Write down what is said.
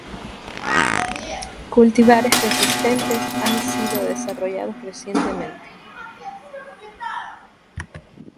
Cultivares resistentes han sido desarrollados recientemente.